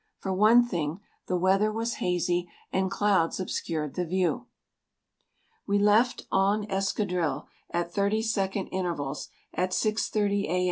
For one thing the weather was hazy and clouds obscured the view. We left en escadrille, at 30 second intervals, at 6:30 A.